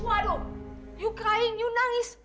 waduh yuk crying yuk nangis